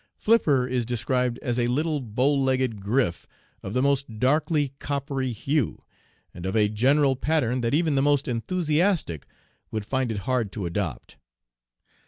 Flipper is described as a little bow legged grif of the most darkly coppery hue, and of a general pattern that even the most enthusiastic would find it hard to adopt.